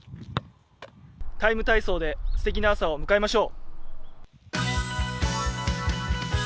「ＴＩＭＥ，体操」で、すてきな朝を迎えましょう。